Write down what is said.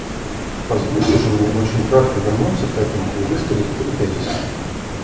Позвольте же мне очень кратко вернуться к этому и высказать три тезиса.